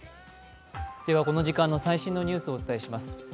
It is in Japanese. この時間の最新のニュースをお伝えします。